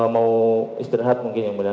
mau istirahat mungkin